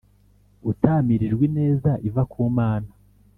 Utamirijwe ineza iva ku Mana